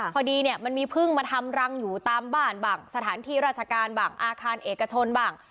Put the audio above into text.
พอดีเนี่ยมันมีพึ่งมาทำรังอยู่ตามบ้านบ้างสถานที่ราชการบ้างอาคารเอกชนบ้าง